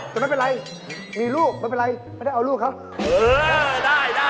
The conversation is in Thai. แต่มันเป็นไรมีลูกไม่เป็นไรไปแล้วเอาลูกครับ